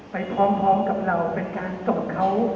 ไปพร้อมกับเราเป็นการตบเขา